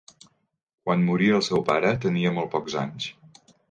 Quan morí el seu pare tenia molt pocs anys.